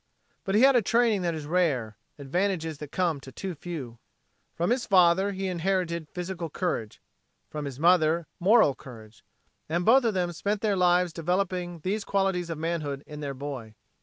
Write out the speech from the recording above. But he had a training that is rare; advantages that come to too few. From his father he inherited physical courage; from his mother, moral courage. And both of them spent their lives developing these qualities of manhood in their boy.